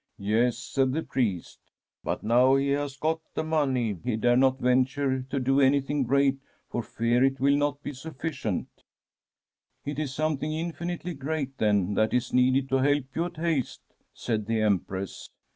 Yes,* said the priest ;' but now he has got the money he dare not venture to do anything great for fear it will not be sufficient.' ' It is something in finitely great, then, that is needed to help you at Fr$m a SfFEDISH HOMESTEAD Heyst ?' said the Empress.